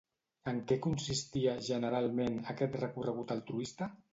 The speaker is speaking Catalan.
En què consistia, generalment, aquest recorregut altruista?